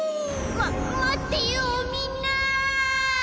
まっまってよみんな！